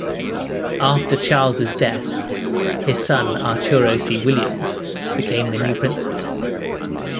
After Charles' death, his son Arturo C. Williams became the new Principal.